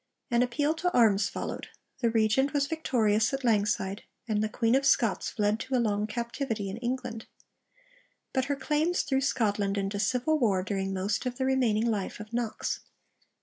An appeal to arms followed: the Regent was victorious at Langside, and the Queen of Scots fled to a long captivity in England. But her claims threw Scotland into civil war during most of the remaining life of Knox.